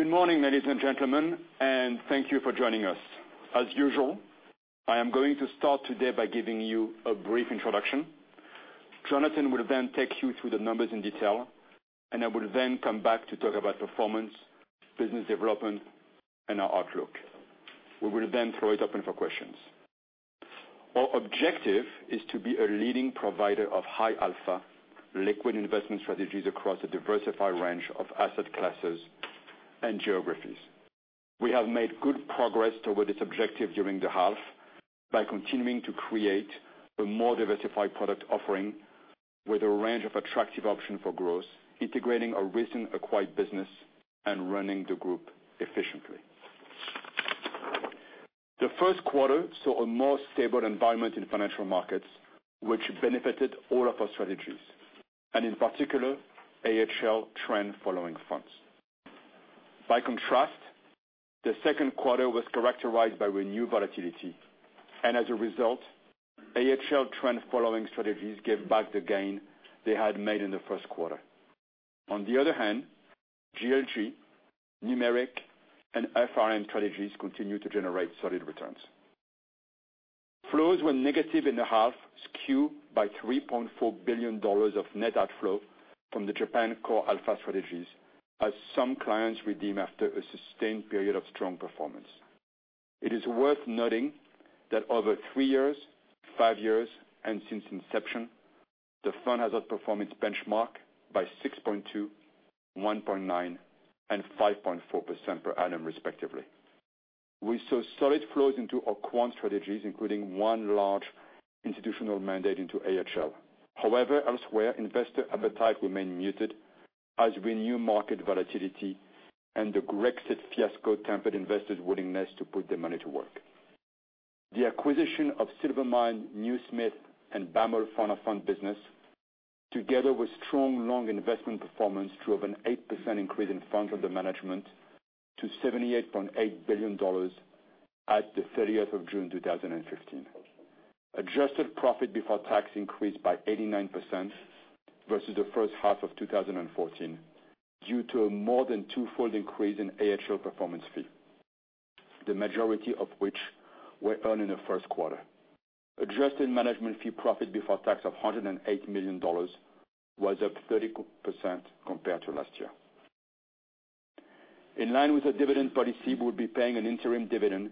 Good morning, ladies and gentlemen, thank you for joining us. As usual, I am going to start today by giving you a brief introduction. Jonathan will then take you through the numbers in detail, I will then come back to talk about performance, business development, and our outlook. We will then throw it open for questions. Our objective is to be a leading provider of high alpha liquid investment strategies across a diversified range of asset classes and geographies. We have made good progress toward this objective during the half by continuing to create a more diversified product offering with a range of attractive option for growth, integrating a recent acquired business and running the group efficiently. The first quarter saw a more stable environment in financial markets, which benefited all of our strategies, in particular, AHL trend following funds. The second quarter was characterized by renewed volatility, AHL trend following strategies gave back the gain they had made in the first quarter. On the other hand, GLG, Numeric, and FRM strategies continue to generate solid returns. Flows were negative in the half, skewed by GBP 3.4 billion of net outflow from the Japan CoreAlpha strategies as some clients redeem after a sustained period of strong performance. It is worth noting that over three years, five years, and since inception, the fund has outperformance benchmark by 6.2%, 1.9%, and 5.4% per annum respectively. We saw solid flows into our quant strategies, including one large institutional mandate into AHL. Elsewhere, investor appetite remained muted as renewed market volatility and the Brexit fiasco tempered investors' willingness to put their money to work. The acquisition of Silvermine, NewSmith, and BAML Fund of Funds business together with strong long investment performance drove an 8% increase in funds under management to $78.8 billion at the 30th of June 2015. Adjusted profit before tax increased by 89% versus the first half of 2014 due to a more than twofold increase in AHL performance fee, the majority of which were earned in the first quarter. Adjusted management fee profit before tax of GBP 108 million was up 30% compared to last year. In line with the dividend policy, we will be paying an interim dividend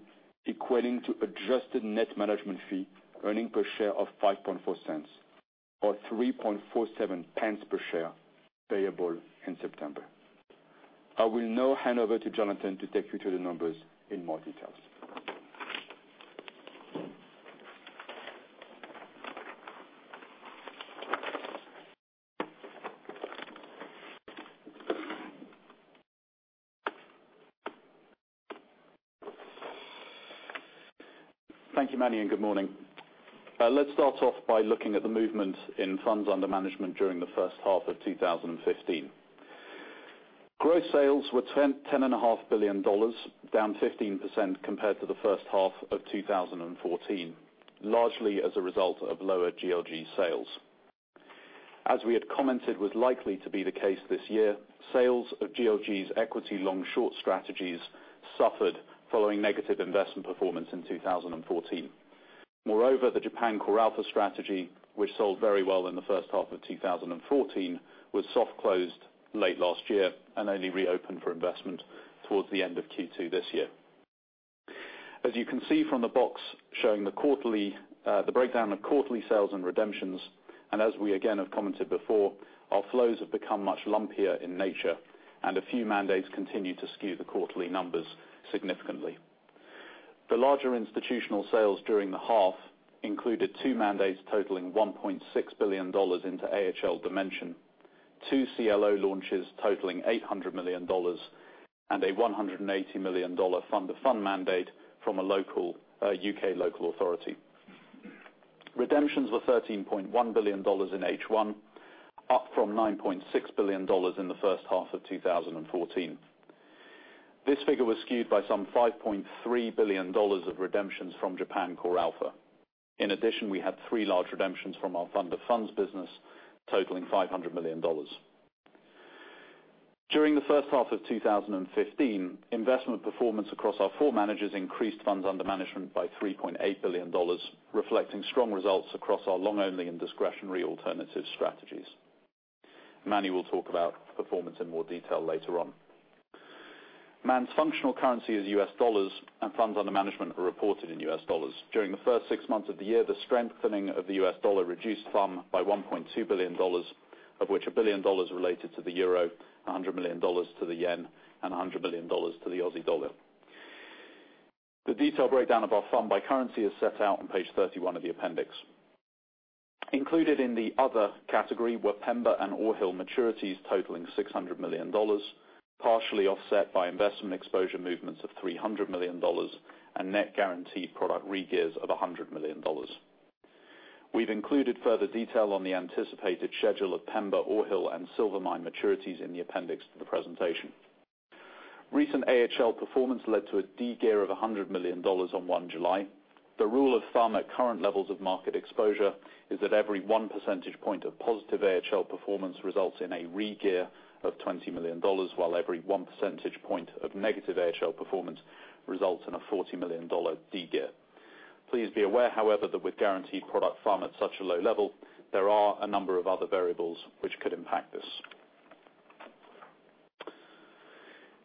equating to adjusted net management fee earning per share of $0.054 or 0.0347 per share payable in September. I will now hand over to Jonathan to take you through the numbers in more details. Thank you, Manny, good morning. Let's start off by looking at the movement in funds under management during the first half of 2015. Gross sales were GBP 10.5 billion, down 15% compared to the first half of 2014, largely as a result of lower GLG sales. As we had commented was likely to be the case this year, sales of GLG's equity long-short strategies suffered following negative investment performance in 2014. The Japan CoreAlpha strategy, which sold very well in the first half of 2014, was soft closed late last year and only reopened for investment towards the end of Q2 this year. As you can see from the box showing the breakdown of quarterly sales and redemptions, our flows have become much lumpier in nature, a few mandates continue to skew the quarterly numbers significantly. The larger institutional sales during the half included two mandates totaling $1.6 billion into AHL Dimension, two CLO launches totaling $800 million, and a $180 million fund to fund mandate from a U.K. local authority. Redemptions were $13.1 billion in H1, up from $9.6 billion in the first half of 2014. This figure was skewed by some $5.3 billion of redemptions from Japan CoreAlpha. In addition, we had three large redemptions from our fund to funds business totaling $500 million. During the first half of 2015, investment performance across our four managers increased funds under management by $3.8 billion, reflecting strong results across our long-only and discretionary alternative strategies. Manny will talk about performance in more detail later on. Man's functional currency is US dollars, and funds under management are reported in US dollars. During the first six months of the year, the strengthening of the US dollar reduced fund by $1.2 billion, of which $1 billion related to the euro, $100 million to the yen, and $100 million to the Aussie dollar. The detailed breakdown of our fund by currency is set out on page 31 of the appendix. Included in the other category were Pemba and Ore Hill maturities totaling $600 million, partially offset by investment exposure movements of $300 million and net guaranteed product re-gears of $100 million. We've included further detail on the anticipated schedule of Pemba, Ore Hill, and Silvermine maturities in the appendix to the presentation. Recent AHL performance led to a degear of $100 million on 1 July. The rule of thumb at current levels of market exposure is that every one percentage point of positive AHL performance results in a re-gear of $20 million, while every one percentage point of negative AHL performance results in a $40 million de-gear. Please be aware, however, that with guaranteed product FUM at such a low level, there are a number of other variables which could impact this.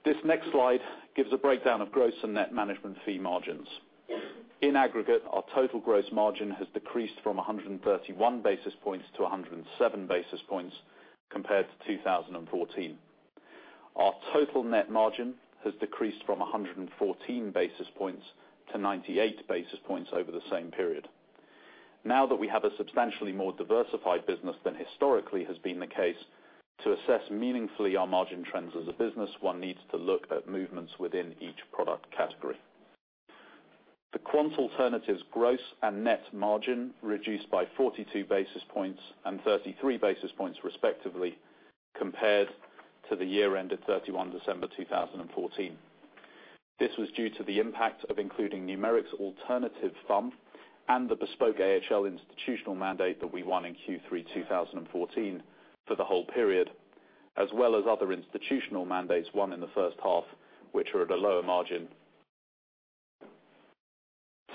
This next slide gives a breakdown of gross and net management fee margins. In aggregate, our total gross margin has decreased from 131 basis points to 107 basis points compared to 2014. Our total net margin has decreased from 114 basis points to 98 basis points over the same period. Now that we have a substantially more diversified business than historically has been the case, to assess meaningfully our margin trends as a business, one needs to look at movements within each product category. The quant alternatives gross and net margin reduced by 42 basis points and 33 basis points respectively, compared to the year end of 31 December 2014. This was due to the impact of including Numeric's alternative FUM and the bespoke AHL institutional mandate that we won in Q3 2014 for the whole period, as well as other institutional mandates won in the first half, which were at a lower margin,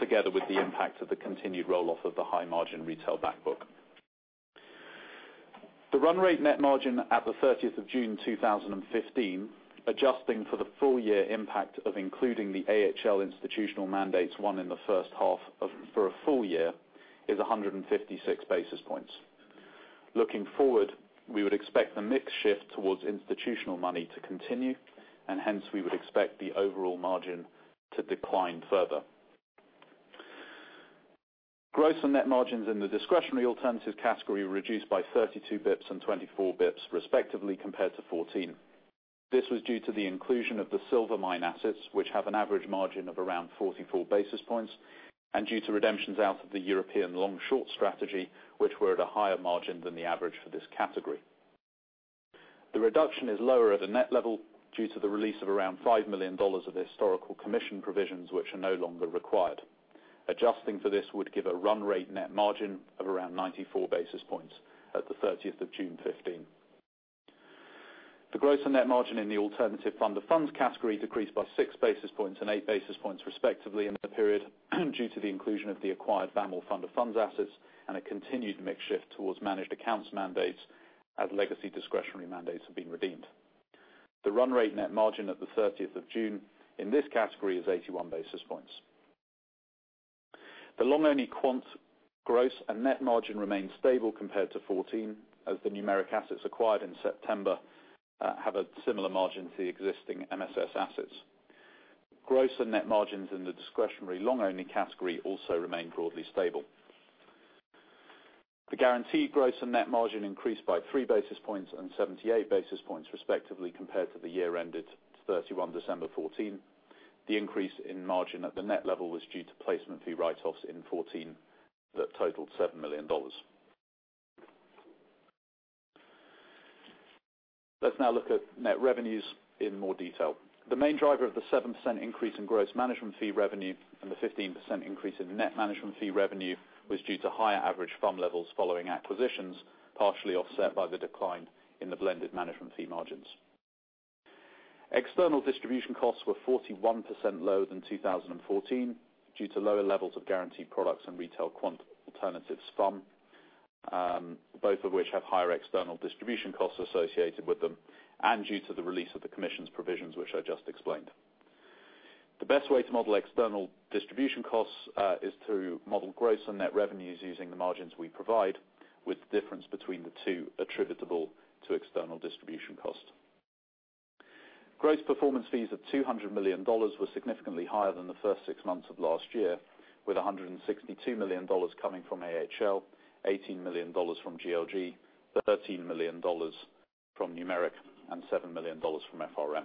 together with the impact of the continued roll-off of the high-margin retail back book. The run rate net margin at the 30th of June 2015, adjusting for the full-year impact of including the AHL institutional mandates won in the first half for a full year, is 156 basis points. Looking forward, we would expect the mix shift towards institutional money to continue and hence we would expect the overall margin to decline further. Gross and net margins in the discretionary alternative category reduced by 32 basis points and 24 basis points respectively compared to 2014. This was due to the inclusion of the Silvermine assets, which have an average margin of around 44 basis points, and due to redemptions out of the European Long Short strategy, which were at a higher margin than the average for this category. The reduction is lower at a net level due to the release of around $5 million of historical commission provisions which are no longer required. Adjusting for this would give a run rate net margin of around 94 basis points at the 30th of June 2015. The gross and net margin in the alternative fund of funds category decreased by six basis points and eight basis points respectively in the period due to the inclusion of the acquired BAML fund of funds assets and a continued mix shift towards managed accounts mandates as legacy discretionary mandates have been redeemed. The run rate net margin at the 30th of June in this category is 81 basis points. The long only quant gross and net margin remained stable compared to 2014 as the Numeric assets acquired in September have a similar margin to the existing MSS assets. Gross and net margins in the discretionary long only category also remained broadly stable. The guaranteed gross and net margin increased by three basis points and 78 basis points respectively compared to the year ended 31 December 2014. The increase in margin at the net level was due to placement fee write-offs in 2014 that totaled $7 million. Let's now look at net revenues in more detail. The main driver of the 7% increase in gross management fee revenue and the 15% increase in net management fee revenue was due to higher average FUM levels following acquisitions, partially offset by the decline in the blended management fee margins. External distribution costs were 41% lower than 2014 due to lower levels of guaranteed products and retail quant alternatives FUM, both of which have higher external distribution costs associated with them and due to the release of the commissions provisions which I just explained. The best way to model external distribution costs is through model gross and net revenues using the margins we provide, with the difference between the two attributable to external distribution cost. Gross performance fees of $200 million were significantly higher than the first six months of last year, with $162 million coming from AHL, $18 million from GLG, $13 million from Numeric, and $7 million from FRM.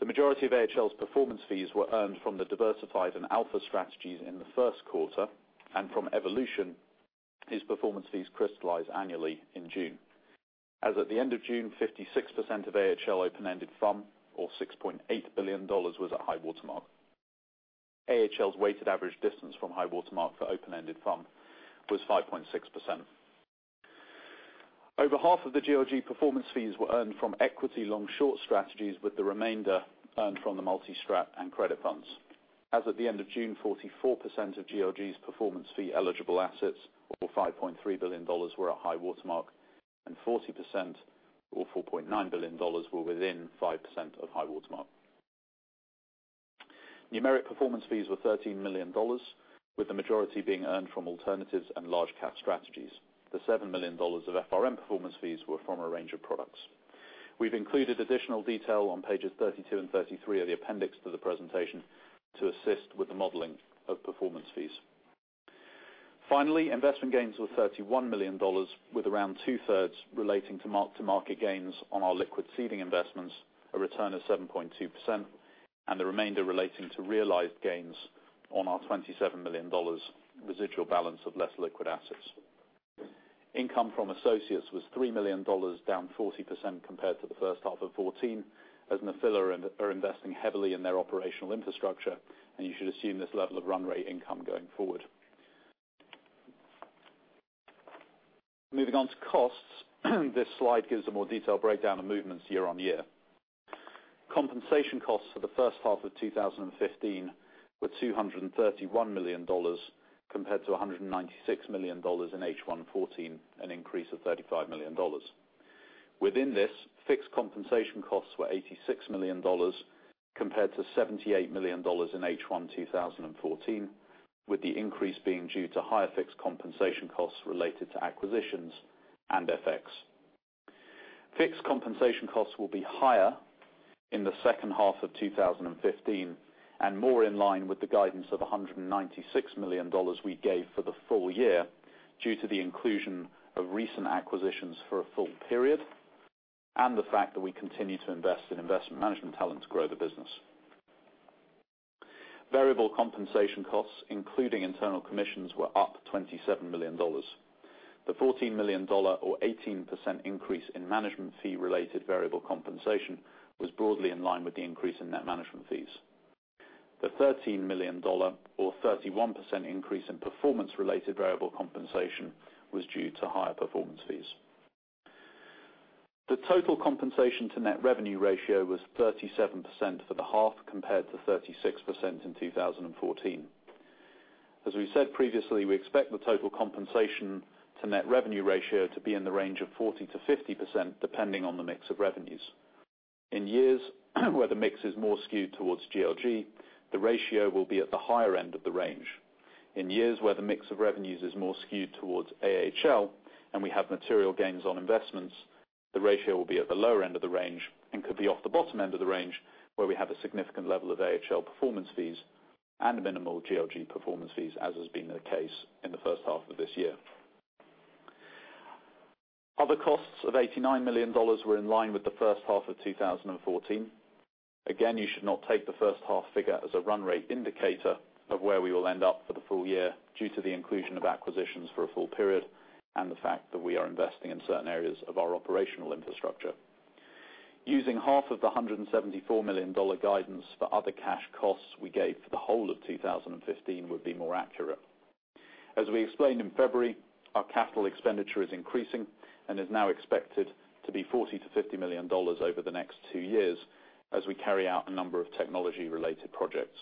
The majority of AHL's performance fees were earned from the Diversified and Alpha strategies in the first quarter and from Evolution, whose performance fees crystallize annually in June. As at the end of June, 56% of AHL open-ended FUM or $6.8 billion was at high watermark. AHL's weighted average distance from high watermark for open-ended FUM was 5.6%. Over half of the GLG performance fees were earned from equity long-short strategies with the remainder earned from the Multi-strat and credit funds. As at the end of June, 44% of GLG's performance fee eligible assets or GBP 5.3 billion were at high watermark and 40% or GBP 4.9 billion were within 5% of high watermark. Numeric performance fees were $13 million, with the majority being earned from alternatives and large cap strategies. The $7 million of FRM performance fees were from a range of products. We've included additional detail on pages 32 and 33 of the appendix to the presentation to assist with the modeling of performance fees. Finally, investment gains were GBP 31 million, with around two-thirds relating to mark-to-market gains on our liquid seeding investments, a return of 7.2%, and the remainder relating to realized gains on our GBP 27 million residual balance of less liquid assets. Income from associates was GBP 3 million, down 40% compared to the first half of 2014, as Nephila are investing heavily in their operational infrastructure. You should assume this level of run rate income going forward. Moving on to costs. This slide gives a more detailed breakdown of movements year-on-year. Compensation costs for the first half of 2015 were GBP 231 million, compared to GBP 196 million in H1 2014, an increase of GBP 35 million. Within this, fixed compensation costs were GBP 86 million, compared to GBP 78 million in H1 2014, with the increase being due to higher fixed compensation costs related to acquisitions and FX. Fixed compensation costs will be higher in the second half of 2015, more in line with the guidance of GBP 196 million we gave for the full year due to the inclusion of recent acquisitions for a full period, the fact that we continue to invest in investment management talent to grow the business. Variable compensation costs, including internal commissions, were up GBP 27 million. The GBP 14 million or 18% increase in management fee-related variable compensation was broadly in line with the increase in net management fees. The GBP 13 million or 31% increase in performance-related variable compensation was due to higher performance fees. The total compensation to net revenue ratio was 37% for the half compared to 36% in 2014. We said previously, we expect the total compensation to net revenue ratio to be in the range of 40%-50%, depending on the mix of revenues. In years where the mix is more skewed towards GLG, the ratio will be at the higher end of the range. In years where the mix of revenues is more skewed towards AHL, we have material gains on investments, the ratio will be at the lower end of the range and could be off the bottom end of the range, where we have a significant level of AHL performance fees and minimal GLG performance fees, as has been the case in the first half of this year. Other costs of GBP 89 million were in line with the first half of 2014. You should not take the first half figure as a run rate indicator of where we will end up for the full year due to the inclusion of acquisitions for a full period, the fact that we are investing in certain areas of our operational infrastructure. Using half of the $174 million guidance for other cash costs we gave for the whole of 2015 would be more accurate. As we explained in February, our CapEx is increasing and is now expected to be $40 million-$50 million over the next 2 years as we carry out a number of technology-related projects.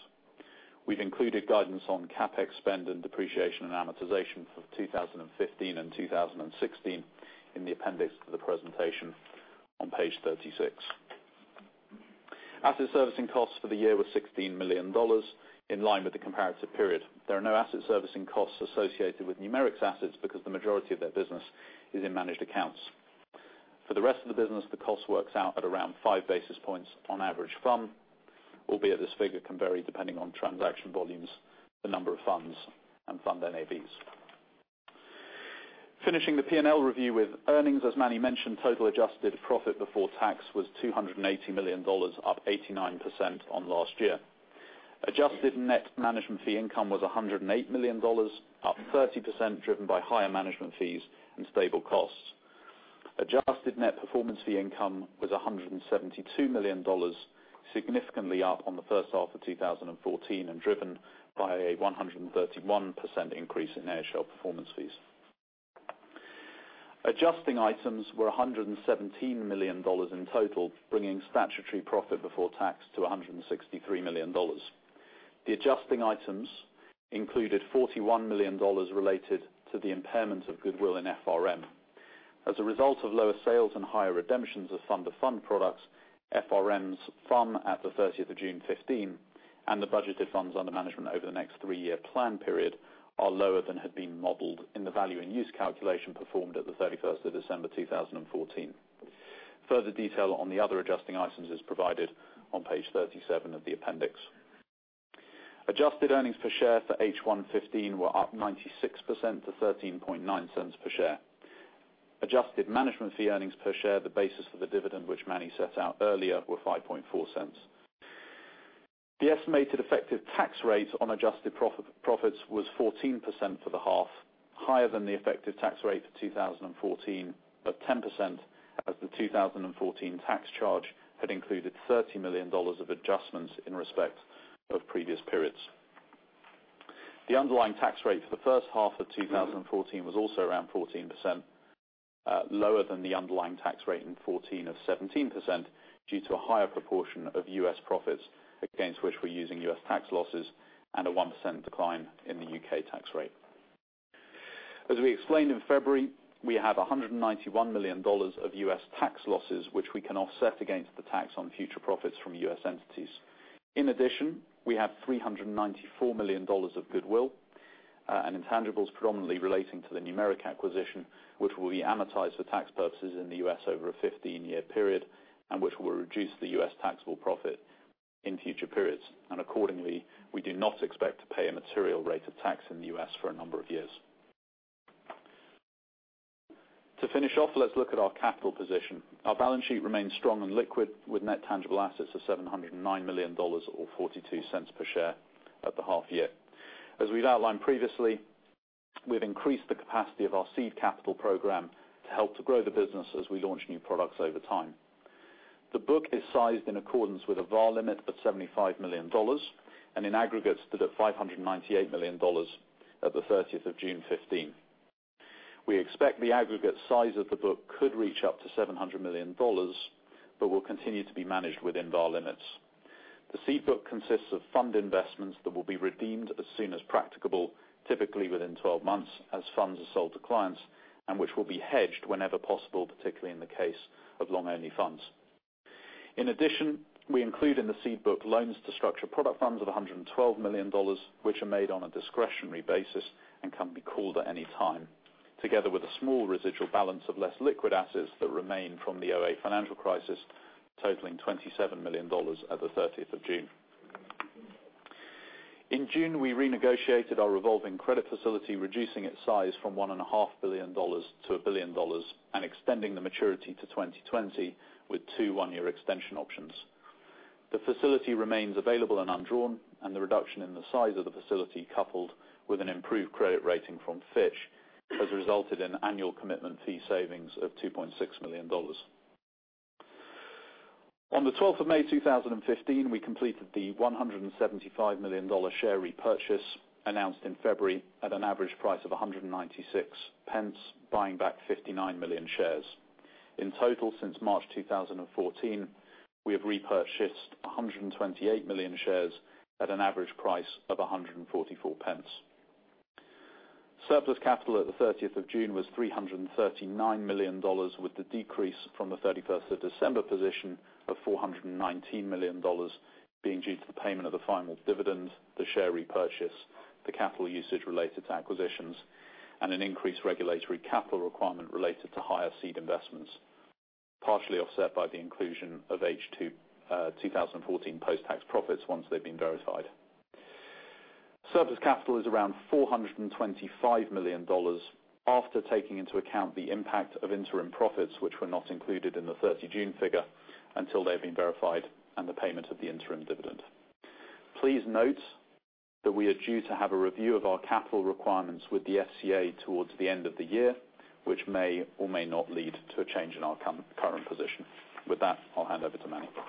We've included guidance on CapEx spend and depreciation and amortization for 2015 and 2016 in the appendix to the presentation on page 36. Asset servicing costs for the year were $16 million, in line with the comparative period. There are no asset servicing costs associated with Numeric assets because the majority of their business is in managed accounts. For the rest of the business, the cost works out at around five basis points on average fund, albeit this figure can vary depending on transaction volumes, the number of funds, and fund NAVs. Finishing the P&L review with earnings. As Manny mentioned, total adjusted profit before tax was $280 million, up 89% on last year. Adjusted net management fee income was $108 million, up 30%, driven by higher management fees and stable costs. Adjusted net performance fee income was $172 million, significantly up on the first half of 2014 and driven by a 131% increase in AHL performance fees. Adjusting items were $117 million in total, bringing statutory profit before tax to $163 million. The adjusting items included $41 million related to the impairment of goodwill in FRM. As a result of lower sales and higher redemptions of fund-to-fund products, FRM's FUM at the 30th of June 2015, and the budgeted funds under management over the next 3-year plan period are lower than had been modeled in the value-in-use calculation performed at the 31st of December 2014. Further detail on the other adjusting items is provided on page 37 of the appendix. Adjusted earnings per share for H1 2015 were up 96% to $0.139 per share. Adjusted management fee earnings per share, the basis for the dividend, which Manny set out earlier, were $0.054. The estimated effective tax rate on adjusted profits was 14% for the half, higher than the effective tax rate for 2014, but 10% as the 2014 tax charge had included $30 million of adjustments in respect of previous periods. The underlying tax rate for the first half of 2014 was also around 14%, lower than the underlying tax rate in 2014 of 17% due to a higher proportion of U.S. profits against which we're using U.S. tax losses and a 1% decline in the U.K. tax rate. As we explained in February, we have $191 million of U.S. tax losses, which we can offset against the tax on future profits from U.S. entities. In addition, we have $394 million of goodwill and intangibles predominantly relating to the Numeric acquisition, which will be amortized for tax purposes in the U.S. over a 15-year period, and which will reduce the U.S. taxable profit in future periods. Accordingly, we do not expect to pay a material rate of tax in the U.S. for a number of years. To finish off, let's look at our capital position. Our balance sheet remains strong and liquid with net tangible assets of $709 million or $0.42 per share at the half-year. As we've outlined previously, we've increased the capacity of our seed capital program to help to grow the business as we launch new products over time. The book is sized in accordance with a VaR limit of $75 million and in aggregate stood at $598 million at the 30th of June 2015. We expect the aggregate size of the book could reach up to $700 million, but will continue to be managed within VaR limits. The seed book consists of fund investments that will be redeemed as soon as practicable, typically within 12 months, as funds are sold to clients, and which will be hedged whenever possible, particularly in the case of long-only funds. In addition, we include in the seed book loans to structure product funds of $112 million, which are made on a discretionary basis and can be called at any time, together with a small residual balance of less liquid assets that remain from the 2008 financial crisis, totaling $27 million at the 30th of June. In June, we renegotiated our revolving credit facility, reducing its size from $1.5 billion to $1 billion and extending the maturity to 2020 with two one-year extension options. The facility remains available and undrawn. The reduction in the size of the facility, coupled with an improved credit rating from Fitch, has resulted in annual commitment fee savings of $2.6 million. On the 12th of May 2015, we completed the $175 million share repurchase announced in February at an average price of 1.96, buying back 59 million shares. In total, since March 2014, we have repurchased 128 million shares at an average price of 1.44. Surplus capital at the 30th of June was GBP 339 million, with the decrease from the 31st of December position of GBP 419 million being due to the payment of the final dividend, the share repurchase, the capital usage related to acquisitions, and an increased regulatory capital requirement related to higher seed investments, partially offset by the inclusion of H2 2014 post-tax profits once they've been verified. Surplus capital is around GBP 425 million after taking into account the impact of interim profits, which were not included in the 30 June figure until they have been verified and the payment of the interim dividend. Please note that we are due to have a review of our capital requirements with the FCA towards the end of the year, which may or may not lead to a change in our current position. With that, I'll hand over to Emmanuel Roman.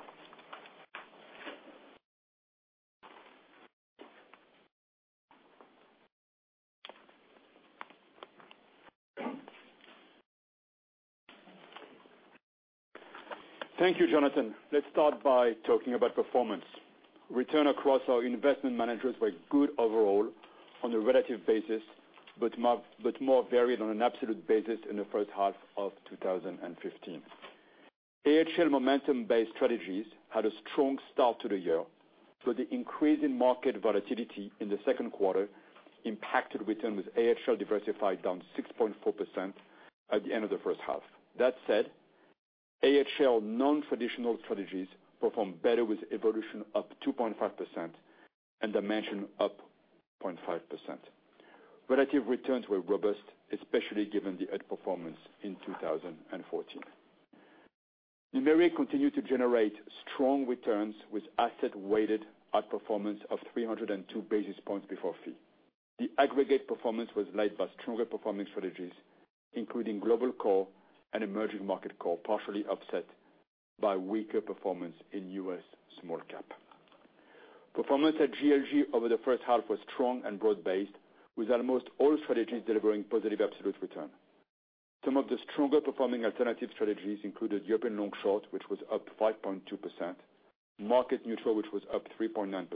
Thank you, Jonathan. Let's start by talking about performance. Return across our investment managers were good overall on a relative basis, but more varied on an absolute basis in the first half of 2015. AHL momentum-based strategies had a strong start to the year. The increase in market volatility in the second quarter impacted return with AHL Diversified down 6.4% at the end of the first half. That said, AHL nontraditional strategies performed better with AHL Evolution up 2.5% and AHL Dimension up 0.5%. Relative returns were robust, especially given the outperformance in 2014. Numeric continued to generate strong returns with asset-weighted outperformance of 302 basis points before fee. The aggregate performance was led by stronger performing strategies, including Global Core and Emerging Market Core, partially offset by weaker performance in US Small Cap. Performance at GLG over the first half was strong and broad-based, with almost all strategies delivering positive absolute return. Some of the stronger performing alternative strategies included European Long Short, which was up 5.2%, Market Neutral, which was up 3.9%,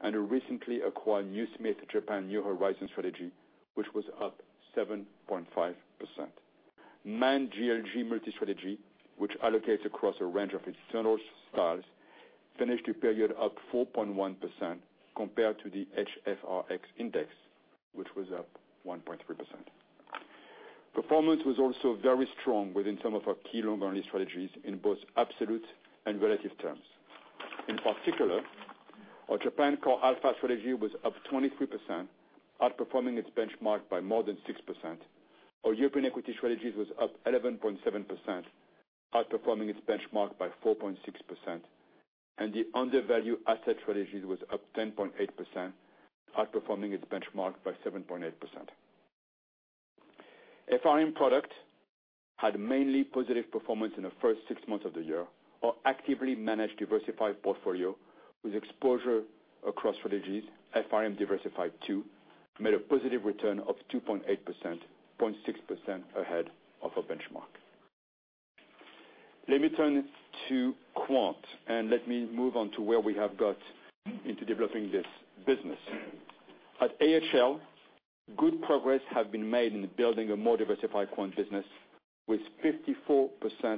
and a recently acquired NewSmith Japan New Horizon strategy, which was up 7.5%. Man GLG multi-strategy, which allocates across a range of external styles, finished the period up 4.1% compared to the HFRX index, which was up 1.3%. Performance was also very strong within some of our key long-only strategies in both absolute and relative terms. In particular, our Japan CoreAlpha strategy was up 23%, outperforming its benchmark by more than 6%. Our European equity strategies was up 11.7%, outperforming its benchmark by 4.6%, and the Undervalued Assets strategy was up 10.8%, outperforming its benchmark by 7.8%. FRM product had mainly positive performance in the first six months of the year. Our actively managed diversified portfolio with exposure across strategies, FRM Diversified II, made a positive return of 2.8%, 0.6% ahead of our benchmark. Let me turn to Quant, and let me move on to where we have got into developing this business. At AHL, good progress have been made in building a more diversified Quant business with 54%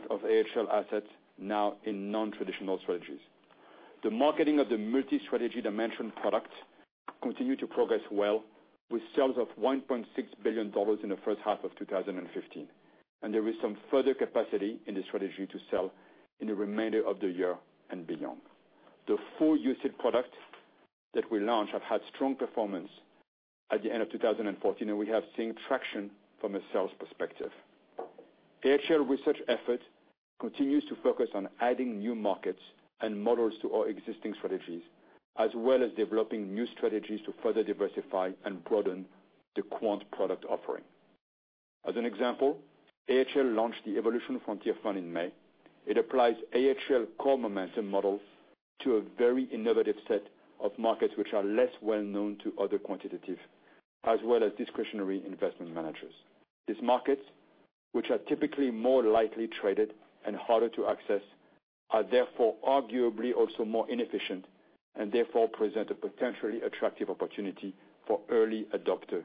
of AHL assets now in nontraditional strategies. The marketing of the multi-strategy Dimension product continued to progress well with sales of GBP 1.6 billion in the first half of 2015, and there is some further capacity in the strategy to sell in the remainder of the year and beyond. The UCITS product that we launched have had strong performance at the end of 2014, and we have seen traction from a sales perspective. AHL research effort continues to focus on adding new markets and models to our existing strategies, as well as developing new strategies to further diversify and broaden the Quant product offering. As an example, AHL launched the Evolution Frontier Fund in May. It applies AHL core momentum models to a very innovative set of markets, which are less well-known to other quantitative, as well as discretionary investment managers. These markets, which are typically more lightly traded and harder to access, are therefore arguably also more inefficient and therefore present a potentially attractive opportunity for early adopters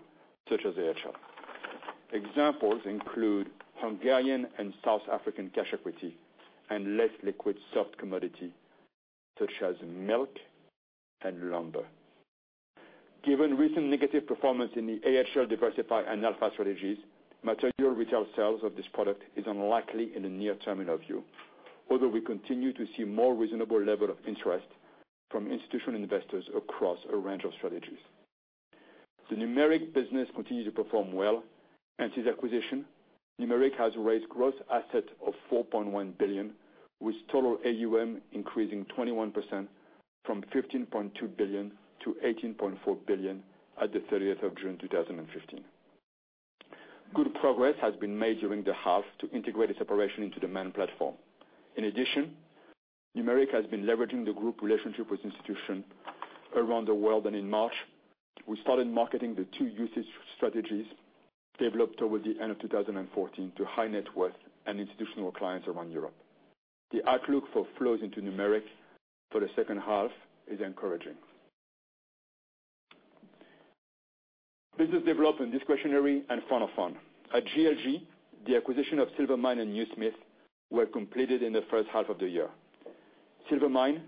such as AHL. Examples include Hungarian and South African cash equity and less liquid soft commodity such as milk and lumber. Given recent negative performance in the AHL Diversified and AHL Alpha strategies, material retail sales of this product is unlikely in the near term in our view. Although we continue to see more reasonable level of interest from institutional investors across a range of strategies. The Numeric business continued to perform well. Since acquisition, Numeric has raised gross assets of 4.1 billion, with total AUM increasing 21% from 15.2 billion to 18.4 billion at the 30th of June 2015. Good progress has been made during the half to integrate the separation into the main platform. In addition, Numeric has been leveraging the group relationship with institutions around the world, and in March, we started marketing the two UCITS strategies developed over the end of 2014 to high net worth and institutional clients around Europe. The outlook for flows into Numeric for the second half is encouraging. Business development, discretionary and fund of funds. At GLG, the acquisition of Silvermine and NewSmith were completed in the first half of the year. Silvermine,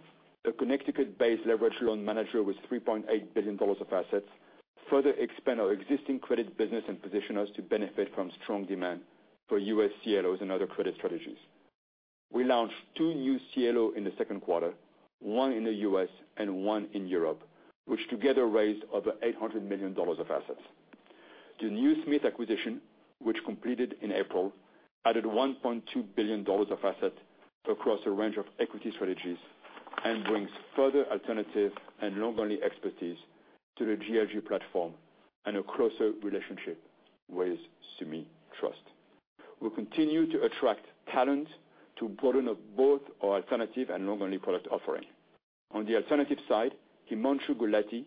a Connecticut-based leveraged loan manager with $3.8 billion of assets, further expand our existing credit business and position us to benefit from strong demand for U.S. CLOs and other credit strategies. We launched two new CLOs in the second quarter, one in the U.S. and one in Europe, which together raised over $800 million of assets. The NewSmith acquisition, which completed in April, added $1.2 billion of assets across a range of equity strategies and brings further alternative and long-only expertise to the GLG platform and a closer relationship with Sumitomo Trust. We continue to attract talent to broaden up both our alternative and long-only product offering. On the alternative side, Himanshu Gulati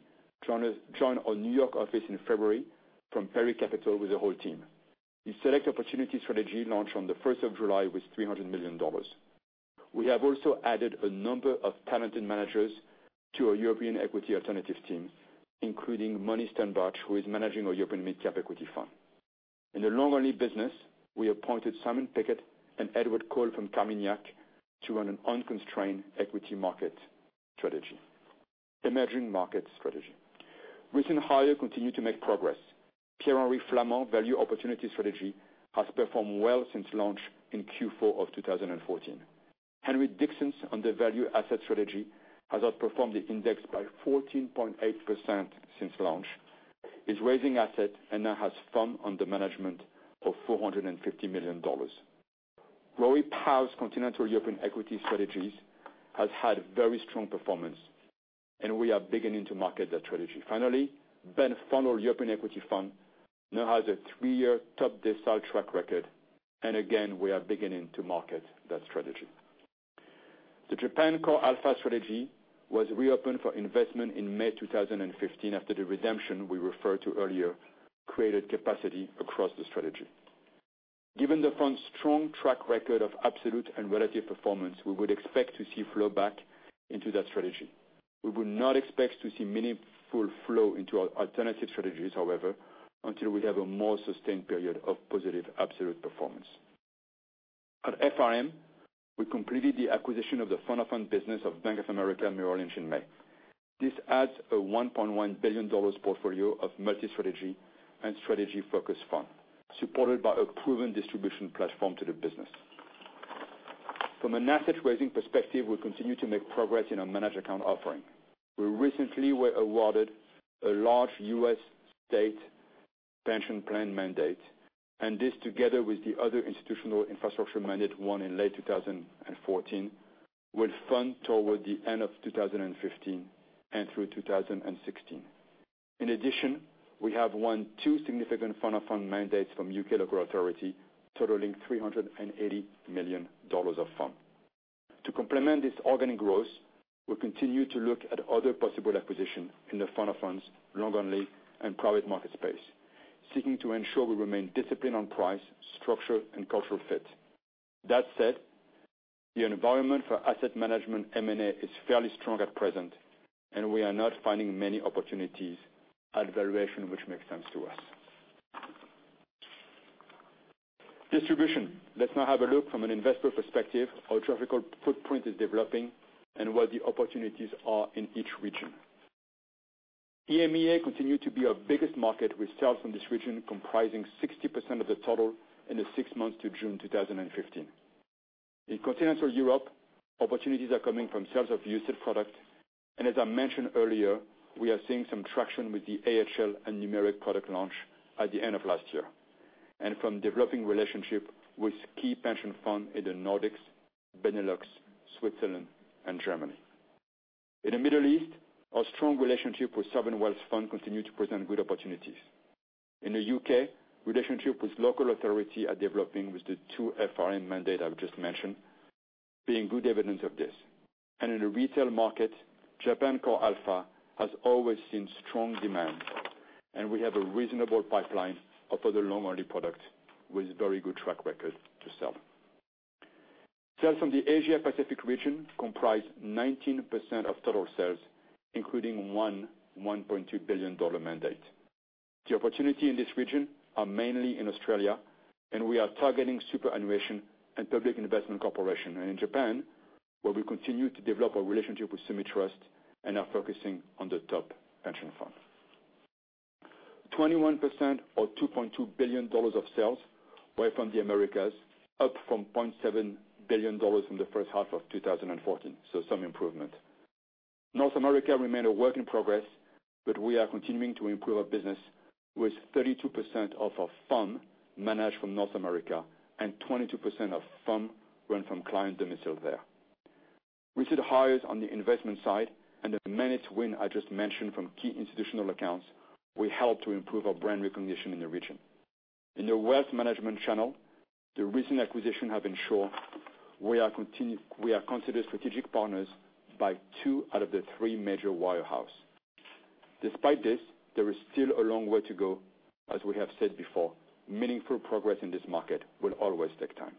joined our New York office in February from Perry Capital with the whole team. His select opportunity strategy launched on the 1st of July with $300 million. We have also added a number of talented managers to our European equity alternatives team, including Moni Sternbach, who is managing our European mid-cap equity fund. In the long-only business, we appointed Simon Pickard and Edward Cole from Carmignac to run an unconstrained equity market strategy. Emerging market strategy. Recent hire continue to make progress. Pierre-Henri Flamand Value Opportunity strategy has performed well since launch in Q4 of 2014. Henry Dixon's Man Undervalued Assets strategy has outperformed the index by 14.8% since launch. Is raising asset and now has fund under management of $450 million. Rory Powe's continental European equity strategies has had very strong performance, and we are beginning to market that strategy. Finally, Ben Funnell European Equity Fund now has a three-year top decile track record, and again, we are beginning to market that strategy. The Japan CoreAlpha strategy was reopened for investment in May 2015 after the redemption we referred to earlier created capacity across the strategy. Given the fund's strong track record of absolute and relative performance, we would expect to see flowback into that strategy. We would not expect to see meaningful flow into our alternative strategies, however, until we have a more sustained period of positive absolute performance. At FRM, we completed the acquisition of the fund of funds business of Bank of America Merrill Lynch in May. This adds a $1.1 billion portfolio of multi-strategy and strategy focus fund, supported by a proven distribution platform to the business. From an asset raising perspective, we continue to make progress in our managed accounts offering. We recently were awarded a large U.S. state pension plan mandate, and this, together with the other institutional infrastructure mandate won in late 2014, will fund toward the end of 2015 and through 2016. In addition, we have won two significant fund of funds mandates from U.K. Local Authority, totaling $380 million of fund. To complement this organic growth, we continue to look at other possible acquisition in the fund of funds, long-only and private market space, seeking to ensure we remain disciplined on price, structure, and cultural fit. That said, the environment for asset management M&A is fairly strong at present, and we are not finding many opportunities at valuation which makes sense to us. Distribution. Let's now have a look from an investor perspective how geographical footprint is developing and what the opportunities are in each region. EMEA continued to be our biggest market, with sales from this region comprising 60% of the total in the six months to June 2015. In continental Europe, opportunities are coming from sales of UCITS product, as I mentioned earlier, we are seeing some traction with the Man AHL and Numeric product launch at the end of last year, and from developing relationship with key pension fund in the Nordics, Benelux, Switzerland, and Germany. In the Middle East, our strong relationship with Sovereign Wealth Fund continue to present good opportunities. In the U.K., relationship with local authority are developing with the two FRM mandate I've just mentioned being good evidence of this. In the retail market, Japan CoreAlpha has always seen strong demand, and we have a reasonable pipeline of other long-only product with very good track record to sell. Sales from the Asia Pacific region comprise 19% of total sales, including one $1.2 billion mandate. The opportunity in this region are mainly in Australia, we are targeting superannuation and public investment corporation, and in Japan, where we continue to develop our relationship with Sumitomo Trust and are focusing on the top pension fund. 21% or $2.2 billion of sales were from the Americas, up from $1.7 billion in the first half of 2014, some improvement. North America remained a work in progress, we are continuing to improve our business with 32% of our fund managed from North America and 22% of fund run from client domicile there. We see the hires on the investment side and the managed win I just mentioned from key institutional accounts will help to improve our brand recognition in the region. In the wealth management channel, the recent acquisition have ensured we are considered strategic partners by two out of the three major wirehouse. Despite this, there is still a long way to go, as we have said before, meaningful progress in this market will always take time.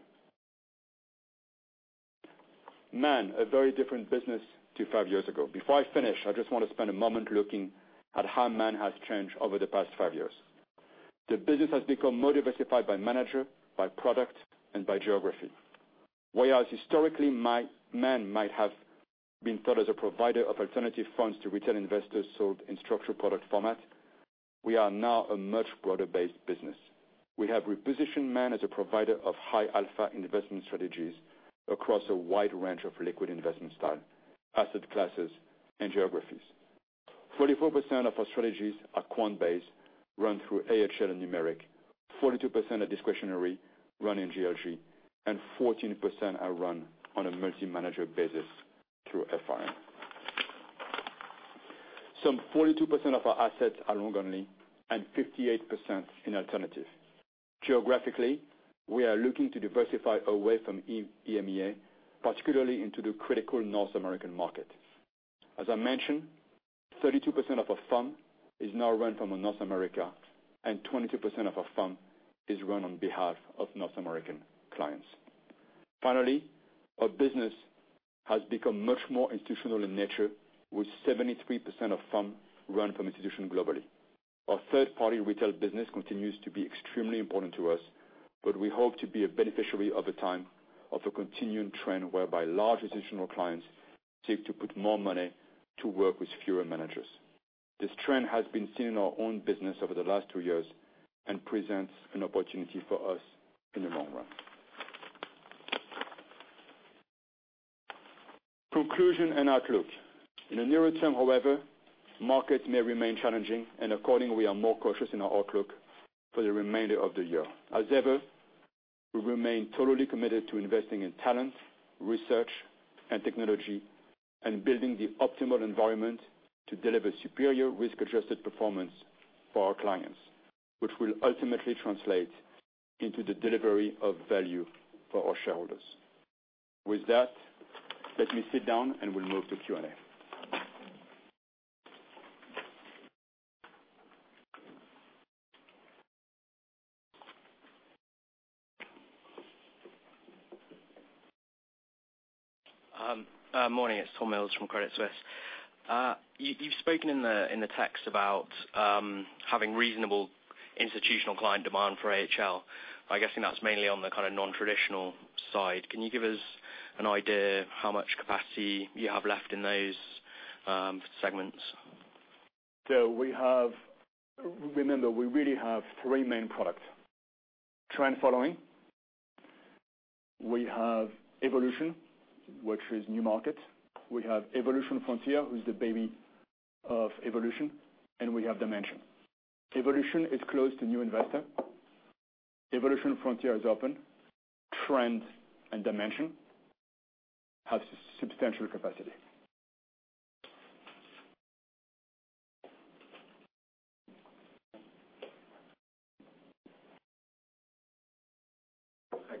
Man, a very different business to five years ago. Before I finish, I just want to spend a moment looking at how Man has changed over the past five years. The business has become more diversified by manager, by product, and by geography. Whereas historically, Man might have been thought as a provider of alternative funds to retail investors sold in structured product format, we are now a much broader-based business. We have repositioned Man as a provider of high alpha investment strategies across a wide range of liquid investment style, asset classes, and geographies. 44% of our strategies are quant-based, run through Man AHL and Numeric, 42% are discretionary run in Man GLG, and 14% are run on a multi-manager basis through FRM. Some 42% of our assets are long only and 58% in alternative. Geographically, we are looking to diversify away from EMEA, particularly into the critical North American market. As I mentioned, 32% of our fund is now run from North America, and 22% of our fund is run on behalf of North American clients. Finally, our business has become much more institutional in nature with 73% of fund run from institution globally. Our third-party retail business continues to be extremely important to us, we hope to be a beneficiary of a continuing trend whereby large institutional clients seek to put more money to work with fewer managers. This trend has been seen in our own business over the last two years and presents an opportunity for us in the long run. Conclusion and outlook. In the nearer term, however, markets may remain challenging. Accordingly, we are more cautious in our outlook for the remainder of the year. As ever, we remain totally committed to investing in talent, research, and technology, and building the optimal environment to deliver superior risk-adjusted performance for our clients, which will ultimately translate into the delivery of value for our shareholders. With that, let me sit down and we'll move to Q&A. Morning, it's Tom Mills from Credit Suisse. You've spoken in the text about having reasonable institutional client demand for AHL. I'm guessing that's mainly on the kind of non-traditional side. Can you give us an idea of how much capacity you have left in those segments? Remember, we really have three main products. Trend following. We have Evolution, which is new market. We have Evolution Frontier, who's the baby of Evolution, and we have Dimension. Evolution is closed to new investor. Evolution Frontier is open. Trend and Dimension have substantial capacity.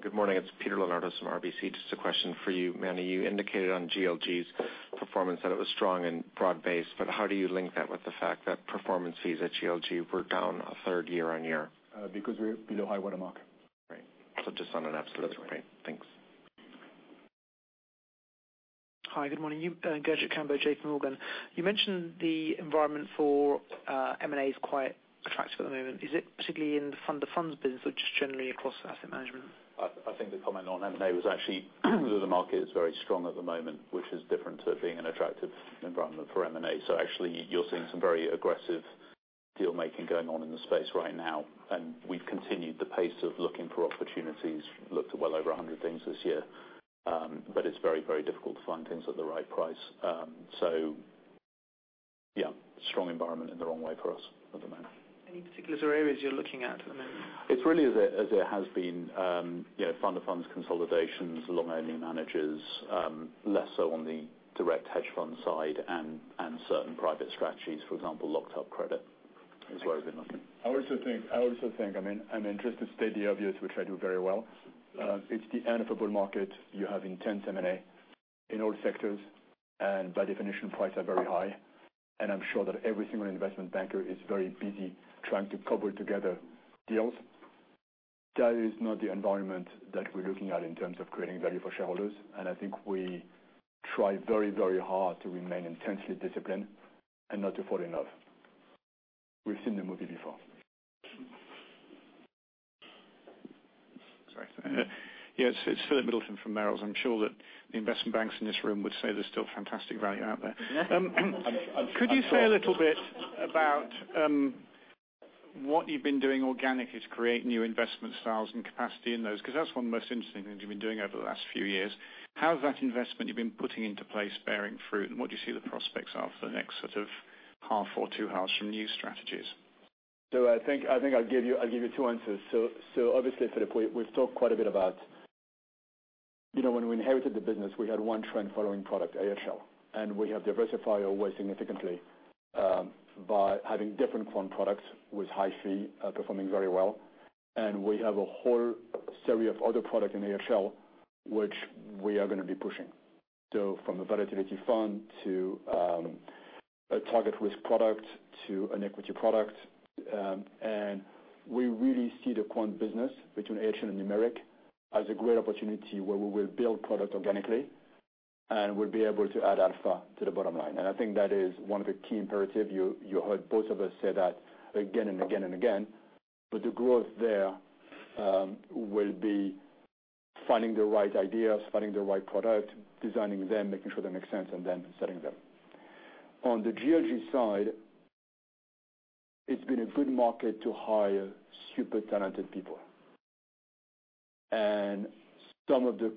Good morning, it's Peter Leonardos from RBC. Just a question for you, Manny. You indicated on GLG's performance that it was strong and broad-based. How do you link that with the fact that performance fees at GLG were down a third year-on-year? Because we beat a high watermark. Right. Just on an absolute rate. That's right. Thanks. Hi, good morning. Guilhem Cauchois, J.P. Morgan. You mentioned the environment for M&A is quite attractive at the moment. Is it particularly in the fund of funds business or just generally across asset management? I think the comment on M&A was actually that the market is very strong at the moment, which is different to it being an attractive environment for M&A. Actually, you're seeing some very aggressive deal making going on in the space right now, and we've continued the pace of looking for opportunities. Looked at well over 100 things this year. It's very difficult to find things at the right price. Yeah, strong environment in the wrong way for us at the moment. Any particular areas you're looking at at the moment? It's really as it has been. Fund of funds consolidations, long-only managers, less so on the direct hedge fund side and certain private strategies, for example, locked-up credit is where we've been looking. I also think, I mean, I'm interested to state the obvious, which I do very well. It's the end of a bull market. You have intense M&A in all sectors, by definition, prices are very high. I'm sure that every single investment banker is very busy trying to cobble together deals. That is not the environment that we're looking at in terms of creating value for shareholders. I think we try very hard to remain intensely disciplined and not to fall in love. We've seen the movie before. Sorry. Philip Middleton from Merrill's. I'm sure that the investment banks in this room would say there's still fantastic value out there. Could you say a little bit about what you've been doing organically to create new investment styles and capacity in those? That's one of the most interesting things you've been doing over the last few years. How has that investment you've been putting into place bearing fruit, and what do you see the prospects are for the next sort of half or two halves from new strategies? I think I'll give you two answers. Obviously, Philip, we've talked quite a bit about when we inherited the business, we had one trend-following product, AHL, and we have diversified away significantly by having different quant products with high-fee, performing very well. We have a whole series of other product in AHL, which we are going to be pushing. From a volatility fund to a target risk product to an equity product. We really see the quant business between AHL and Numeric as a great opportunity where we will build product organically and we'll be able to add alpha to the bottom line. I think that is one of the key imperatives. You heard both of us say that again and again. The growth there will be finding the right ideas, finding the right product, designing them, making sure they make sense, and then selling them. On the GLG side, it's been a good market to hire super talented people. Some of the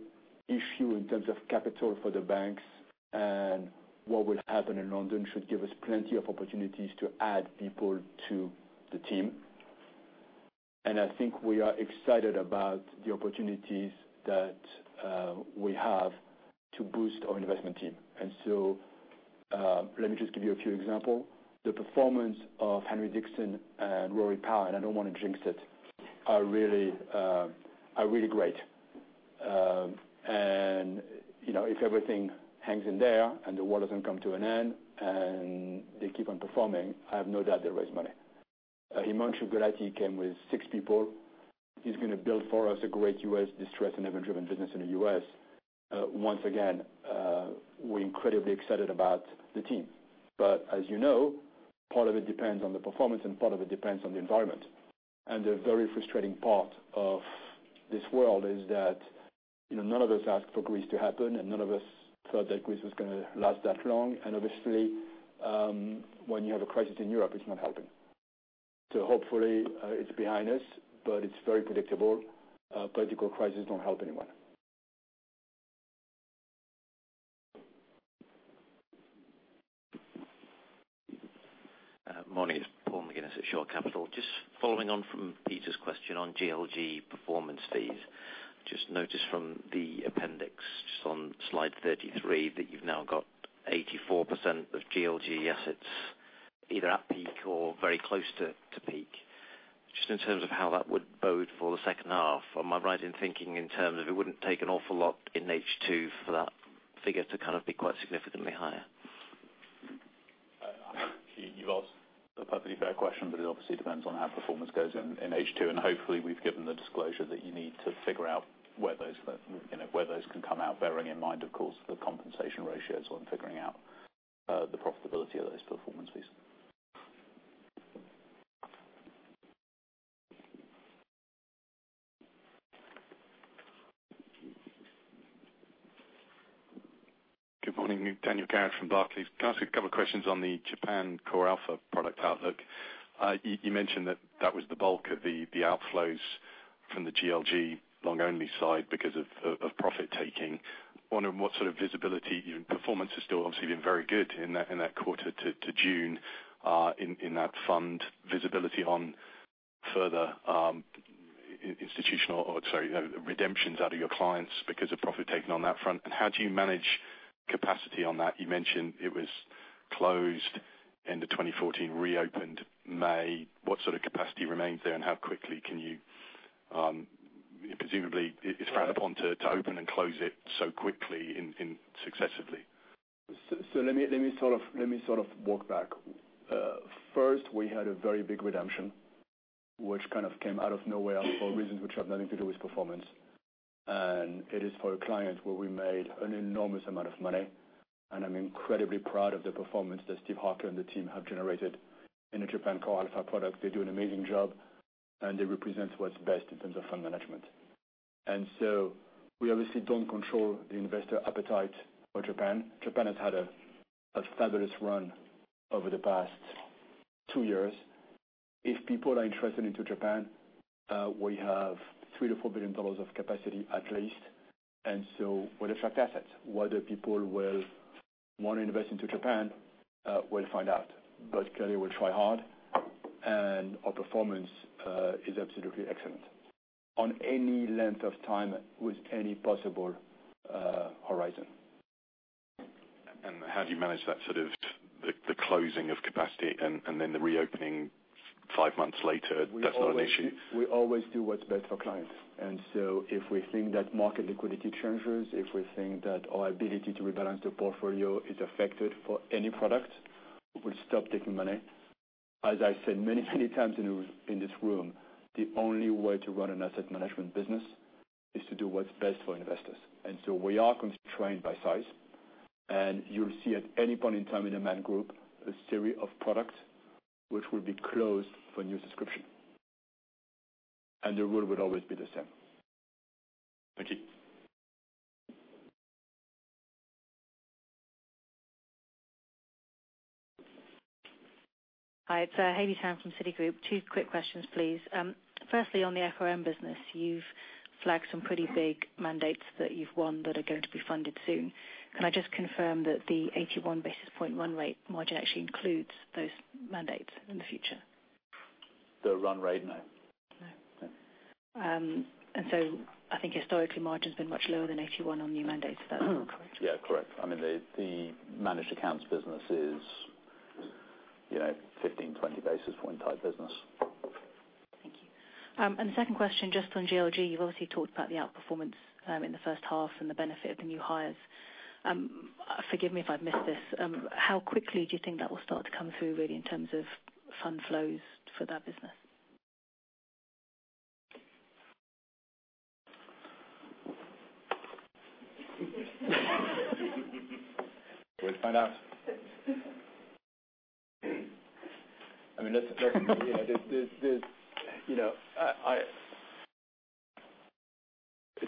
issue in terms of capital for the banks and what will happen in London should give us plenty of opportunities to add people to the team. I think we are excited about the opportunities that we have to boost our investment team. Let me just give you a few examples. The performance of Henry Dixon and Rory Powe, and I don't want to jinx it, are really great. If everything hangs in there and the war doesn't come to an end and they keep on performing, I have no doubt they'll raise money. Himanshu Gulati came with six people. He's going to build for us a great U.S. distressed and event-driven business in the U.S. Once again, we're incredibly excited about the team. As you know, part of it depends on the performance and part of it depends on the environment. The very frustrating part of this world is that none of us asked for Greece to happen, and none of us thought that Greece was going to last that long. Obviously, when you have a crisis in Europe, it's not helping. Hopefully it's behind us, but it's very predictable. Political crises don't help anyone. Morning, it's Paul McGuinness at Shore Capital. Just following on from Peter's question on GLG performance fees. Just noticed from the appendix on slide 33 that you've now got 84% of GLG assets either at peak or very close to peak. Just in terms of how that would bode for the second half, am I right in thinking in terms of it wouldn't take an awful lot in H2 for that figure to kind of be quite significantly higher? You've asked a perfectly fair question, it obviously depends on how performance goes in H2, hopefully we've given the disclosure that you need to figure out where those can come out, bearing in mind, of course, the compensation ratios on figuring out the profitability of those performance fees. Good morning. Daniel Carr from Barclays. Can I ask a couple of questions on the Japan CoreAlpha product outlook? You mentioned that that was the bulk of the outflows from the GLG long-only side because of profit taking. Wondering what sort of visibility, performance has still obviously been very good in that quarter to June in that fund. Visibility on further institutional or, sorry, redemptions out of your clients because of profit taking on that front. How do you manage capacity on that? You mentioned it was closed end of 2014, reopened May. What sort of capacity remains there and how quickly can you? Presumably it's frowned upon to open and close it so quickly and successively. Let me sort of walk back. First, we had a very big redemption, which kind of came out of nowhere for reasons which have nothing to do with performance. It is for a client where we made an enormous amount of money, I'm incredibly proud of the performance that Stephen Harker and the team have generated in the Japan CoreAlpha product. They do an amazing job, it represents what's best in terms of fund management. We obviously don't control the investor appetite for Japan. Japan has had a fabulous run over the past two years. If people are interested into Japan, we have GBP 3 billion-GBP 4 billion of capacity at least. We'll attract assets. Whether people will want to invest into Japan, we'll find out. Clearly we'll try hard, and our performance is absolutely excellent on any length of time with any possible horizon. How do you manage that sort of the closing of capacity and then the reopening 5 months later? That's not an issue? We always do what's best for clients. If we think that market liquidity changes, if we think that our ability to rebalance the portfolio is affected for any product, we'll stop taking money. As I've said many, many times in this room, the only way to run an asset management business is to do what's best for investors. We are constrained by size, and you'll see at any point in time in the Man Group, a series of products which will be closed for new subscription. The rule would always be the same. Thank you. Hi, it's Hayley Tan from Citigroup. Two quick questions, please. Firstly, on the FRM business, you've flagged some pretty big mandates that you've won that are going to be funded soon. Can I just confirm that the 81 basis point run rate margin actually includes those mandates in the future? The run rate? No. No. No. I think historically, margin's been much lower than 81 on new mandates. Is that correct? Yeah, correct. I mean, the managed accounts business is 15, 20 basis point type business. Thank you. The second question, just on GLG, you've obviously talked about the outperformance in the first half and the benefit of the new hires. Forgive me if I've missed this. How quickly do you think that will start to come through really in terms of fund flows for that business? We'll find out. It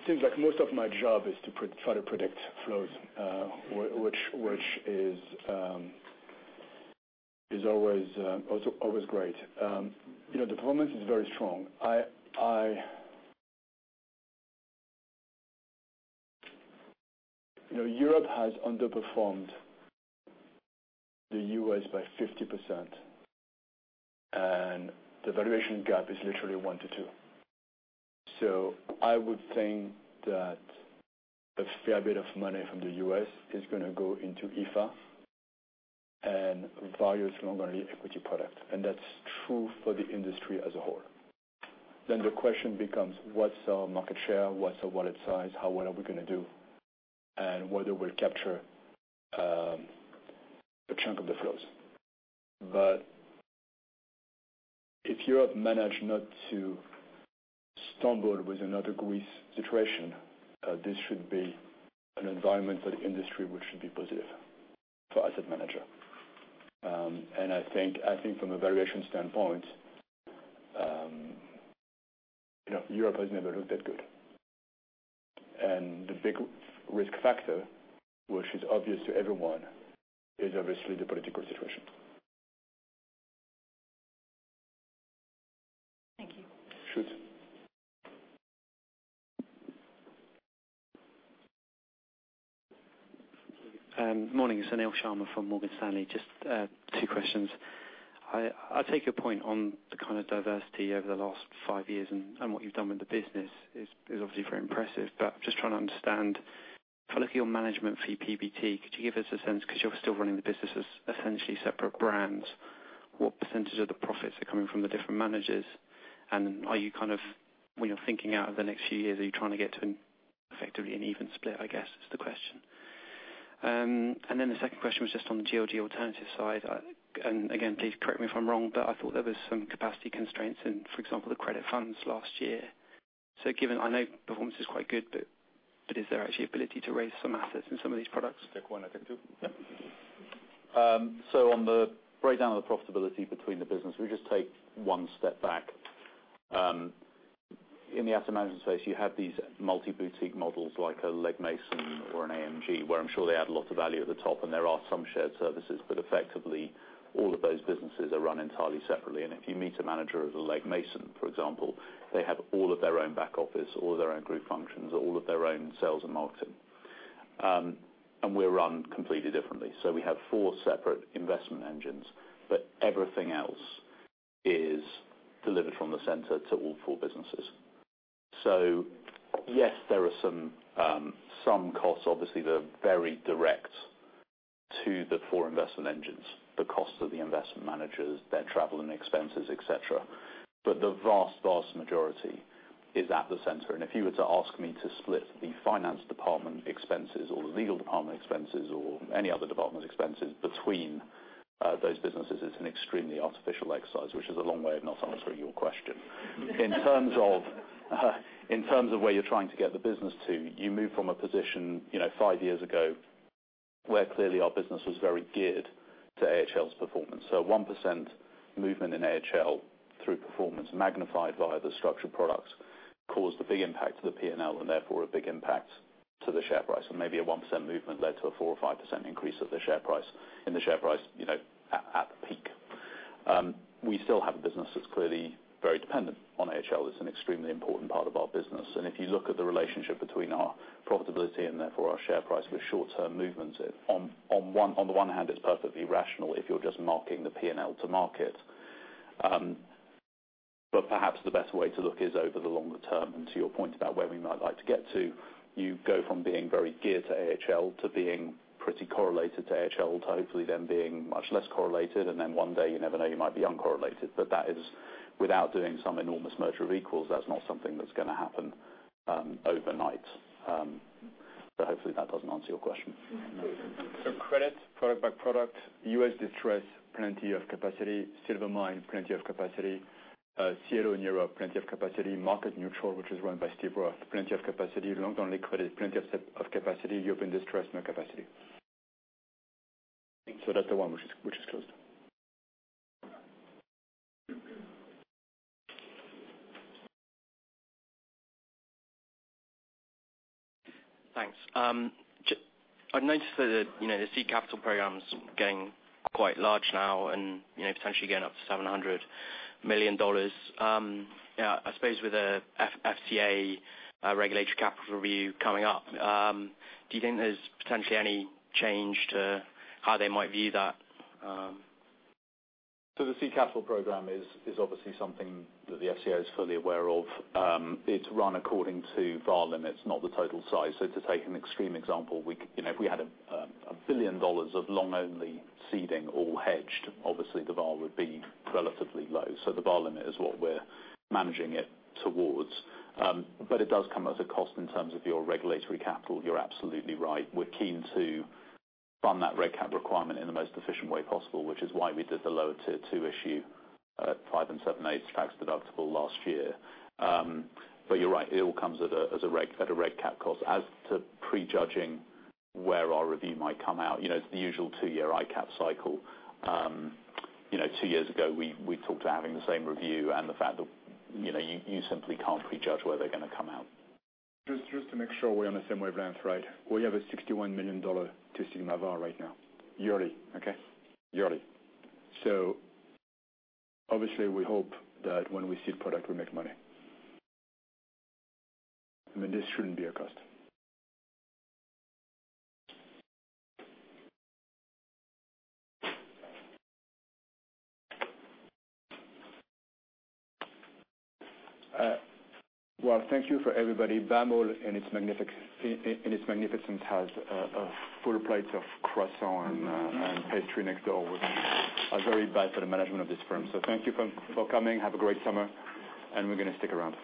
seems like most of my job is to try to predict flows, which is always great. The performance is very strong. Europe has underperformed the U.S. by 50%, the valuation gap is literally 1 to 2. I would think that a fair bit of money from the U.S. is going to go into EAFE and various long-only equity product. That's true for the industry as a whole. The question becomes, what's our market share? What's our wallet size? How well are we going to do, and whether we'll capture a chunk of the flows. If Europe manage not to stumble with another Greece situation, this should be an environment for the industry which should be positive for asset manager. I think from a valuation standpoint Europe has never looked that good. The big risk factor, which is obvious to everyone, is obviously the political situation. Thank you. Sure. Morning. It's Anil Sharma from Morgan Stanley. Just two questions. I take your point on the kind of diversity over the last five years and what you've done with the business is obviously very impressive, but just trying to understand, if I look at your management fee PBT, could you give us a sense, because you're still running the business as essentially separate brands, what % of the profits are coming from the different managers, and are you kind of, when you are thinking out of the next few years, are you trying to get to effectively an even split, I guess, is the question. The second question was just on the GLG alternative side. Again, please correct me if I'm wrong, but I thought there was some capacity constraints in, for example, the credit funds last year. Given I know performance is quite good, but is there actually ability to raise some assets in some of these products? Take one, I take two? Yeah. On the breakdown of the profitability between the business, we just take one step back. In the asset management space, you have these multi-boutique models like a Legg Mason or an AMG, where I'm sure they add lots of value at the top, and there are some shared services, but effectively, all of those businesses are run entirely separately. If you meet a manager at a Legg Mason, for example, they have all of their own back office, all of their own group functions, all of their own sales and marketing. We are run completely differently. We have four separate investment engines, but everything else is delivered from the center to all four businesses. Yes, there are some costs, obviously, that are very direct to the four investment engines, the cost of the investment managers, their travel and expenses, et cetera. The vast majority is at the center. If you were to ask me to split the finance department expenses or the legal department expenses or any other department expenses between those businesses is an extremely artificial exercise, which is a long way of not answering your question. In terms of where you are trying to get the business to, you move from a position five years ago where clearly our business was very geared to Man AHL's performance. A 1% movement in Man AHL through performance magnified via the structured products caused a big impact to the P&L, and therefore a big impact to the share price. Maybe a 1% movement led to a 4% or 5% increase in the share price, at the peak. We still have a business that is clearly very dependent on Man AHL. It is an extremely important part of our business. If you look at the relationship between our profitability and therefore our share price with short-term movements, on the one hand, it is perfectly rational if you are just marking the P&L to market. Perhaps the best way to look is over the longer term. To your point about where we might like to get to, you go from being very geared to Man AHL to being pretty correlated to Man AHL, to hopefully then being much less correlated, and then one day you never know, you might be uncorrelated. That is without doing some enormous merger of equals. That is not something that is going to happen overnight. Hopefully that does not answer your question. Credit, product by product, U.S. distress, plenty of capacity. Silvermine, plenty of capacity. CLO in Europe, plenty of capacity. Market Neutral, which is run by Steve Roth, plenty of capacity. Long Only Credit, plenty of capacity. European Distress, no capacity. That is the one which is closed. Thanks. I have noticed that the seed capital program is getting quite large now and potentially getting up to GBP 700 million. I suppose with the FCA regulatory capital review coming up, do you think there is potentially any change to how they might view that? The seed capital program is obviously something that the FCA is fully aware of. It's run according to VaR limits, not the total size. To take an extreme example, if we had GBP 1 billion of Long Only seeding all hedged, obviously the VaR would be relatively low. The VaR limit is what we're managing it towards. It does come as a cost in terms of your regulatory capital. You're absolutely right. We're keen to fund that reg cap requirement in the most efficient way possible, which is why we did the lower Tier 2 issue at five and seven-eighths tax deductible last year. You're right, it all comes at a reg cap cost. As to pre-judging where our review might come out, it's the usual two-year ICAAP cycle. Two years ago, we talked to having the same review and the fact that you simply can't pre-judge where they're going to come out. Just to make sure we're on the same wavelength, right. We have a GBP 61 million testing VaR right now. Yearly, okay? Yearly. Obviously we hope that when we seed product, we make money. I mean, this shouldn't be a cost. Well, thank you for everybody. BAML in its magnificence has a full plate of croissants and pastries next door, which are very bad for the management of this firm. Thank you for coming. Have a great summer, and we're going to stick around.